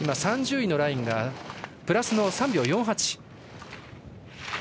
３０位のラインがプラス３秒４８。